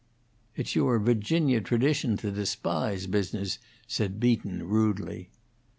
"It's your Virginia tradition to despise business," said Beaton, rudely.